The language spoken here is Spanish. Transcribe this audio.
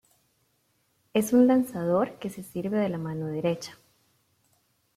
Es un lanzador que se sirve de la mano derecha.